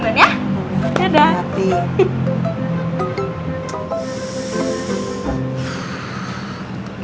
ya udah gue balik